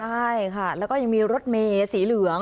ใช่ค่ะแล้วก็ยังมีรถเมสีเหลือง